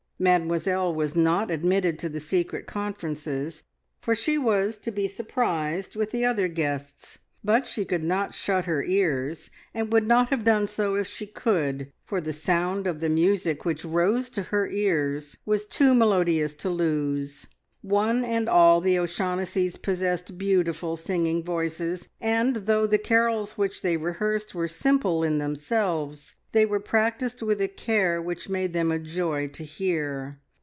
Mademoiselle was not admitted to the secret conferences, for she was to be surprised with the other guests; but she could not shut her ears, and would not have done so if she could, for the sound of the music which rose to her ears was too melodious to lose. One and all the O'Shaughnessys possessed beautiful singing voices, and though the carols which they rehearsed were simple in themselves, they were practised with a care which made them a joy to hear.